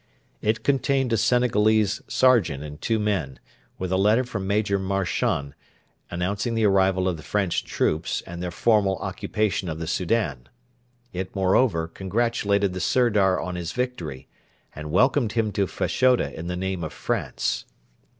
It contained a Senegalese sergeant and two men, with a letter from Major Marchand announcing the arrival of the French troops and their formal occupation of the Soudan. It, moreover, congratulated the Sirdar on his victory, and welcomed him to Fashoda in the name of France.